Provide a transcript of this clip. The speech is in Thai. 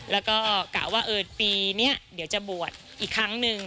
แล้วก็กะว่าปีนี้เดี๋ยวจะบวชอีกครั้งหนึ่ง